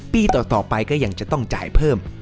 ปีต่อไปก็ยังจะต้องจ่ายเพิ่ม